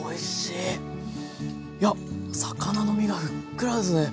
いや魚の身がふっくらですね！